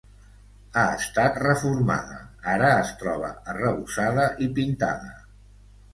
Ha estat reformada, ara es troba arrebossada i pintada.